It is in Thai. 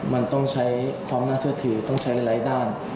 มันต้องใช้ความน่าเชื่อถือต้องใช้หลายด้าน